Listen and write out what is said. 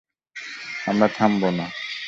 আমরা থামব না।